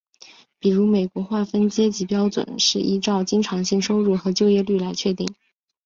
比如美国划分阶级标准是依照经常性收入和就业率来确定。